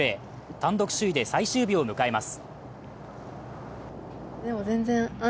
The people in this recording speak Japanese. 単独首位で最終日を迎えます。